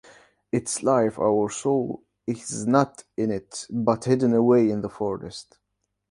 Its life our soul is not in it but hidden away in the forest.